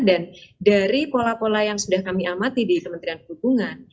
dan dari pola pola yang sudah kami amati di kementerian perhubungan